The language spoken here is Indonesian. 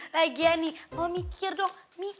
lagi ya nih lo mikir dong